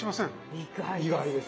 意外です。